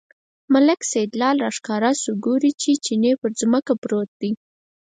ملک سیدلال راښکاره شو، ګوري چې چیني پر ځمکه پروت دی.